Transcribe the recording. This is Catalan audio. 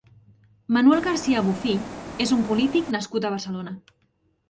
Manuel García Bofill és un polític nascut a Barcelona.